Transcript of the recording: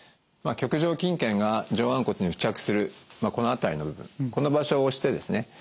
棘上筋腱が上腕骨に付着するこの辺りの部分この場所を押してですね